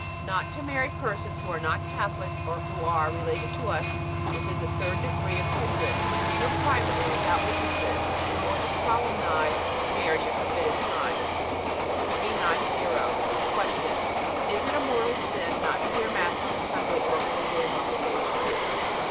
Not to marry persons who are not Catholics, or who are related to us within the third degree of kindred, nor privately without witnesses, nor to solemnize marriage at forbidden times. 390. Q. Is it a mortal sin not to hear Mass on a Sunday or a holyday of obligation?